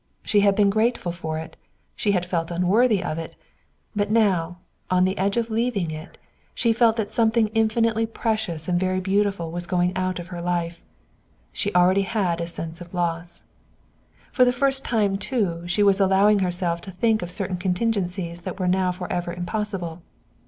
She had been grateful for it. She had felt unworthy of it. But now, on the edge of leaving it, she felt that something infinitely precious and very beautiful was going out of her life. She had already a sense of loss. For the first time, too, she was allowing herself to think of certain contingencies that were now forever impossible.